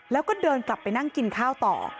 แล้วก็เดินกลับไปนั่งกินข้าวต่อ